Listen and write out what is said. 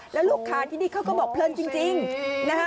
แล้วลูกค้าที่นี่เขาก็บอกเพลินจริงนะฮะ